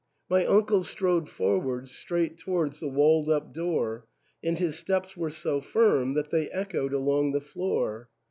My uncle strode forwards straight towards the walled up door, and his steps were so firm that they echoed along the floor.